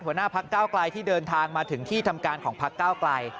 หัวหน้าพักเก้าไกลที่เดินทางมาถึงที่ทำการของพักเก้าไกล